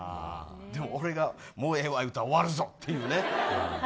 でも俺がもうええわ言うたら終わるぞというね。